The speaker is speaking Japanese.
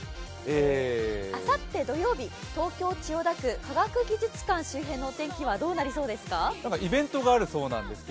あさって土曜日、東京・千代田区科学技術館周辺のお天気はどうなりますか？